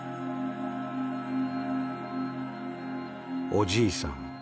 「おじいさん